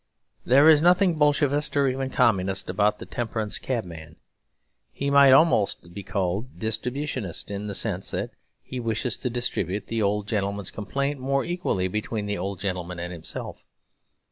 There is nothing Bolshevist or even Communist about the temperance cabman. He might almost be called Distributist, in the sense that he wishes to distribute the old gentleman's complaint more equally between the old gentleman and himself.